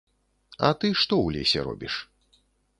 А ты што ў лесе робіш?